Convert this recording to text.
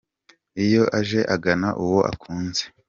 Iyo aje agana uwo akunze